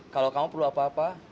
kalau kamu perlu apa apa